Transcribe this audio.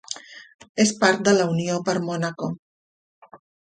És part de la Unió per Mònaco.